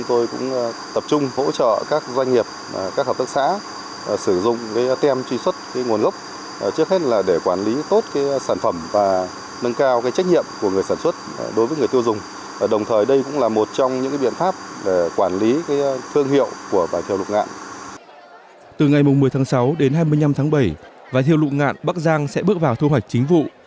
từ ngày một mươi tháng sáu đến hai mươi năm tháng bảy vải thiêu lụng ngạn bắc giang sẽ bước vào thu hoạch chính vụ